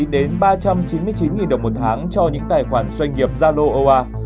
đến ba trăm chín mươi chín đồng một tháng cho những tài khoản doanh nghiệp zalo